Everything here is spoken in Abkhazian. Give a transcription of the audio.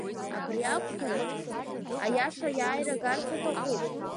Абри ақәԥараҿ, аиаша аиааира агарц аҭахуп.